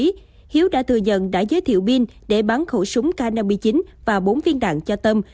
trước đó hiếu đã thừa nhận đã giới thiệu pin để bán khẩu súng k năm mươi chín và bốn viên đạn cho tâm